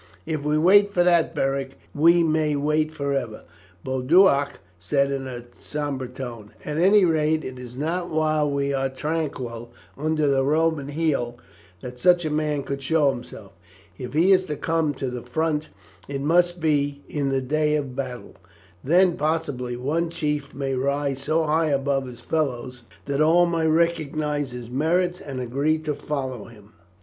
"If we wait for that, Beric, we may wait for ever," Boduoc said in a sombre tone, "at any rate it is not while we are tranquil under the Roman heel that such a man could show himself. If he is to come to the front it must be in the day of battle. Then, possibly, one chief may rise so high above his fellows that all may recognize his merits and agree to follow him."